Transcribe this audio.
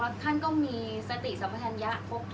อันไหนที่มันไม่จริงแล้วอาจารย์อยากพูด